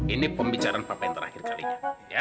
ini pembicaraan apa yang terakhir kalinya